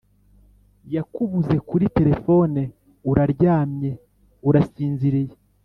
yakubuze kuri telephone, uraryamye urasinziriye